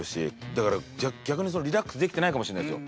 だから逆にリラックスできてないかもしれないですよ。